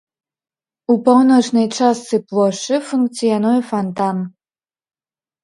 У паўночнай частцы плошчы функцыянуе фантан.